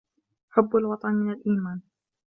حب الوطن من الإيمان